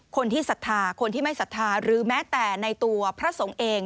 ศรัทธาคนที่ไม่ศรัทธาหรือแม้แต่ในตัวพระสงฆ์เอง